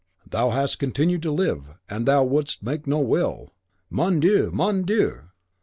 "Thou hast continued to live, and thou wouldst make no will." "Mon Dieu! Mon Dieu!"